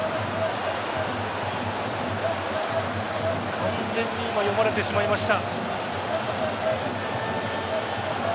完全に今、読まれてしまいました。